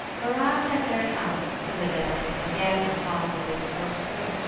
Arrived at her house, Lizabetha Prokofievna paused in the first room.